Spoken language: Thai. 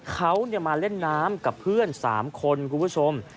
เขามาเล่นน้ำกับเพื่อน๓คนคุณผู้ชม